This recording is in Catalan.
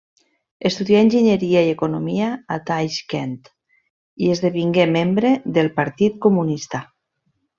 Estudià enginyeria i economia a Taixkent, i esdevingué membre del Partit Comunista.